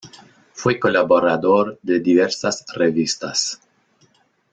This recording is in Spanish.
Fue colaborador de diversas revistas.